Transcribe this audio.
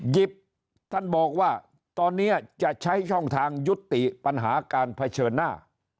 ท่านบอกว่าตอนนี้จะใช้ช่องทางยุติปัญหาการเผชิญหน้า